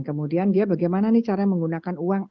kemudian dia bagaimana nih cara menggunakan uang